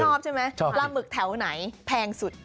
ชอบใช่ไหมปลาหมึกแถวไหนแพงสุด